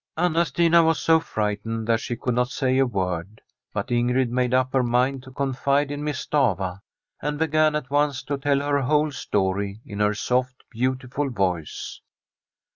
Anna Stina was so frightened that she could not say a word, but Ingrid made up her mind to con fide in Miss Stafva, and began at once to tell her whole story in her soft, beautiful voice.